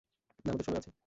আমাদের সময় আছে।